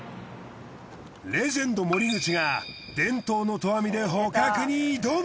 レジェンド森口が伝統の投網で捕獲に挑む！